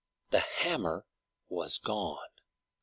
The hammer was gone!